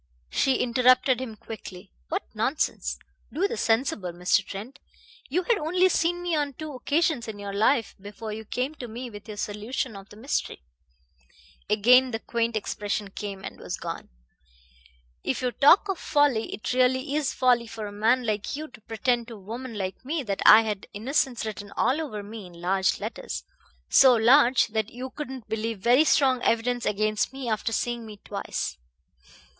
She interrupted him quickly. "What nonsense. Do be sensible, Mr. Trent. You had only seen me on two occasions in your life before you came to me with your solution of the mystery." Again the quaint expression came and was gone. "If you talk of folly, it really is folly for a man like you to pretend to a woman like me that I had innocence written all over me in large letters so large that you couldn't believe very strong evidence against me after seeing me twice."